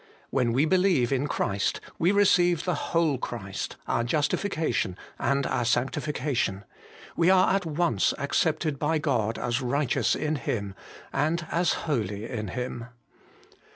When we believe in Christ, we receive the whole Christ, our justification and our sanctifi cation : we are at once accepted by God as righteous in Him, and as holy in Him.